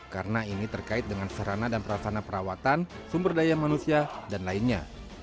karena ini terkait dengan serana dan perasana perawatan sumber daya manusia dan lainnya